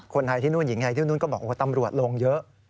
คนไทยที่นู่นหญิงไทยที่นู่นก็บอกว่าตำรวจลงเยอะ